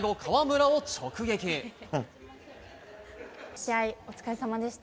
試合、お疲れさまでした。